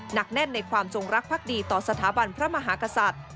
หนักแน่นในความจงรักภักดีต่อสถาบันพระมหากษัตริย์